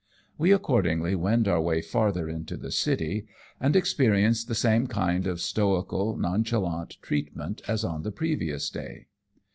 "We accordingly wend our way farther into the city, and experience the same kind of stoical, nonchalant treatment as on the previous day.